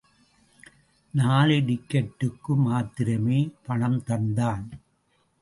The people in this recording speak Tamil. நாலு டிக்கட்டுக்கு மாத்திரமே பணம் தந்தான்.